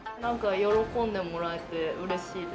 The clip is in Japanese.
喜んでもらえて嬉しいです。